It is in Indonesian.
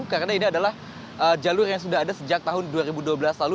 karena ini adalah jalur yang sudah ada sejak tahun dua ribu dua belas lalu